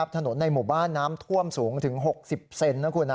ถนนในหมู่บ้านน้ำท่วมสูงถึง๖๐เซนนะคุณ